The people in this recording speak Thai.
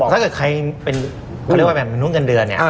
ถ้าเกิดใครเป็นเขาเรียกว่าแบบหนุ่มกันเดือน